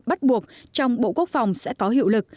bắt buộc trong bộ quốc phòng sẽ có hiệu lực